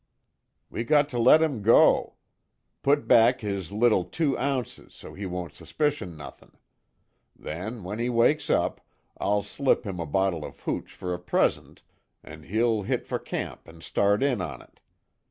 "We got to let him go. Put back his little two ounces, so he won't suspicion nothin'. Then, when he wakes up, I'll slip him a bottle of hooch fer a present, an' he'll hit fer camp and start in on it.